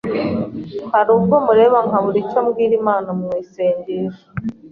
Hari ubwo mureba nkabura icyo mbwira Imana mu isengesho